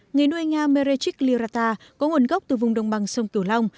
người nuôi ngao merechik lirata có nguồn gốc từ vùng đông bằng sông kiều long